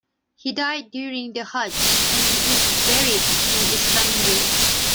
He died during the "hajj" and is buried in Istanbul.